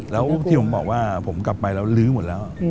แล้วที่ผมบอกว่าผมกลับไปแล้วลื้อหมดแล้ว